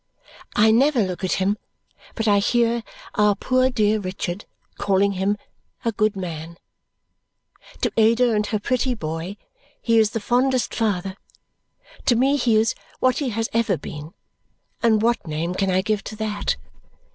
I never look at him but I hear our poor dear Richard calling him a good man. To Ada and her pretty boy, he is the fondest father; to me he is what he has ever been, and what name can I give to that?